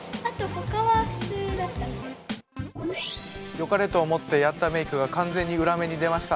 よかれと思ってやったメークが完全に裏目に出ました。